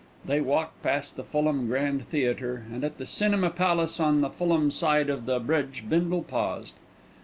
They walked past the Fulham Grand Theatre, and at the Cinema Palace on the Fulham side of the bridge Bindle paused.